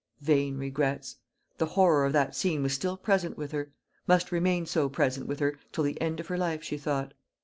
Vain regrets. The horror of that scene was still present with her must remain so present with her till the end of her life, she thought.